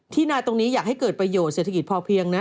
นาตรงนี้อยากให้เกิดประโยชน์เศรษฐกิจพอเพียงนะ